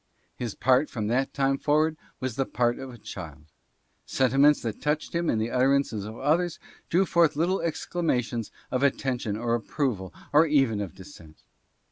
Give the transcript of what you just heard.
His part from that time forward was the part of a child. Sentiments that touched him in the utterances of others drew forth little exclamations of attention or approval or even of dissent.